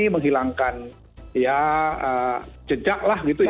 menghilangkan ya jejak lah gitu ya